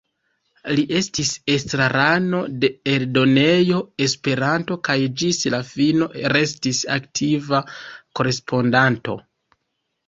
Li estis estrarano de Eldonejo Esperanto kaj ĝis la fino restis aktiva korespondanto.